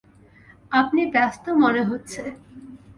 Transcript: আপনি ব্যস্ত মনে হচ্ছে।